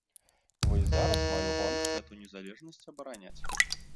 І вось зараз маю гонар гэту незалежнасць абараняць.